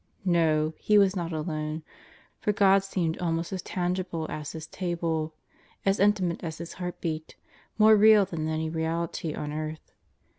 No. He was not alone; for God seemed almost as tangible as his table, as intimate as his heartbeat; more real than any reality on earth.